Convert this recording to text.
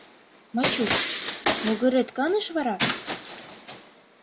Мачук, могырет каныш вара?